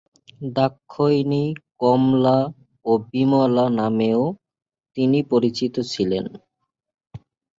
দাক্ষায়ণী, কমলা ও বিমলা নামেও তিনি পরিচিত ছিলেন।